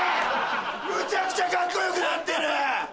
むちゃくちゃカッコよくなってる！